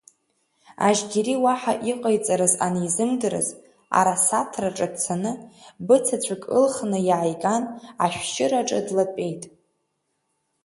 Ажьгьери уаҳа иҟаиҵарыз анизымдыр, арасаҭраҿы дцаны, быцаҵәык ылхны иааиган, ашәшьыраҿы длатәеит.